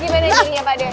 gimana dirinya pade